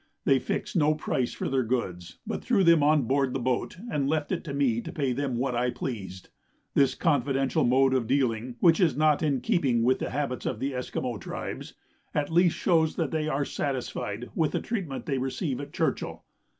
They fixed no price for their goods, but threw them on board the boat, and left it to me to pay them what I pleased. This confidential mode of dealing, which is not in keeping with the habits of the Esquimaux tribes, at least shows that they are satisfied with the treatment they receive at Churchill.